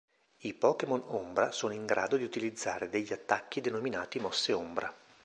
I Pokémon Ombra sono in grado di utilizzare degli attacchi denominati mosse Ombra.